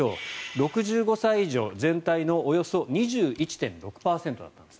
６５歳以上全体のおよそ２１．６％だったんです。